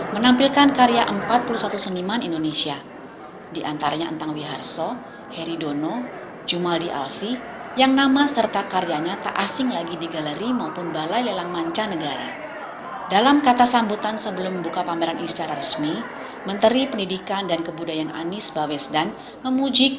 pembelajaran kepala dekolonisasi